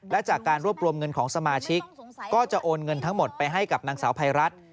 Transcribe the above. และจากการรวบรวมเงินของสมาชิกก็จะโอนเงินทั้งหมดไปให้กับนางสาวภัยรัฐ